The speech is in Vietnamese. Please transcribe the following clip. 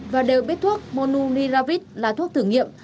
và đều biết thuốc monopiravir là thuốc thử nghiệm